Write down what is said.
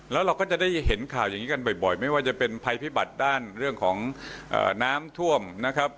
แล้วเราก็จะได้เห็นข่าวอย่างนี้กันบ่อยไม่ว่าจะเป็นภัยพิบัติด้านเรื่องของน้ำท่วมนะครับ